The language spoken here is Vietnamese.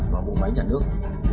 vào bộ máy nhà nước